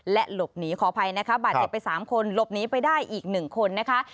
และหลบหนีขออภัยนะคะบาดเจ็บไป๓คนหลบหนีไปได้อีก๑คนนะคะ